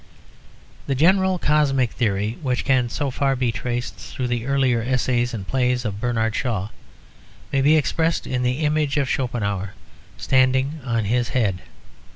The general cosmic theory which can so far be traced through the earlier essays and plays of Bernard Shaw may be expressed in the image of Schopenhauer standing on his head.